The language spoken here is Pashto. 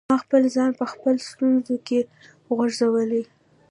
ما خپل ځان په خپله په ستونزو کي غورځولی.